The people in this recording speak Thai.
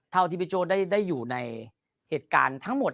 เท่าที่พิจารณาได้อยู่ในเหตุการณ์ทั้งหมด